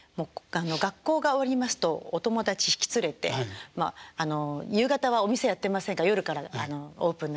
学校が終わりますとお友達引き連れて夕方はお店やってませんから夜からオープンなので。